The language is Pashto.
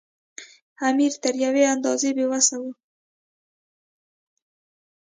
امیر تر یوې اندازې بې وسه وو.